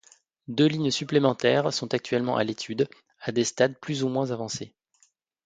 Deux lignes supplémentaires sont actuellement à l'étude, à des stades plus ou moins avancés.